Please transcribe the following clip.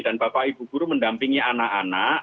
dan bapak ibu guru mendampingi anak anak